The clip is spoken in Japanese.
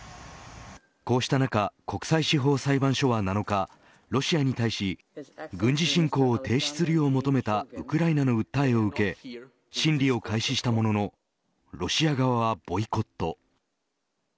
こうした中、国際司法裁判所は７日ロシアに対し軍事侵攻を停止するよう求めたウクライナの訴えを受け審理を開始したもののロシア側はボイコット。